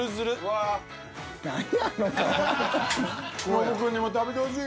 ノブくんにも食べてほしい。